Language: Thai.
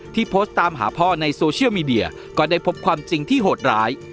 โพสต์ตามหาพ่อในโซเชียลมีเดียก็ได้พบความจริงที่โหดร้าย